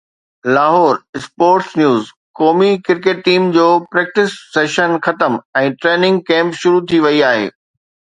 Lahore (sports news) قومي cricket team جو practice session ختم ۽ ٽريننگ ڪيمپ شروع ٿي وئي آهي